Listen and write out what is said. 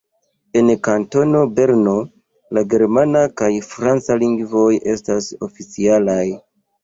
En Kantono Berno la germana kaj franca lingvoj estas oficialaj.